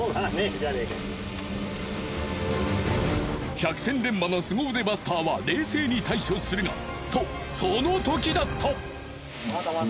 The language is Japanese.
百戦錬磨の凄腕バスターは冷静に対処するがとその時だった！